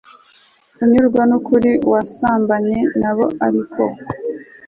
unyurwa Ni ukuri wasambanye na bo ariko